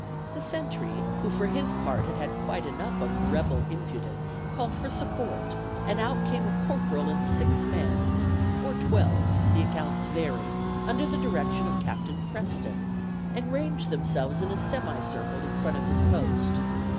The sentry, who for his part had had quite enough of "rebel impudence," called for support, and out came a corporal and six men (or twelve the accounts vary) under the direction of Captain Preston, and ranged themselves in a semi circle in front of his post.